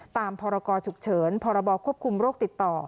พรกรฉุกเฉินพรบควบคุมโรคติดต่อ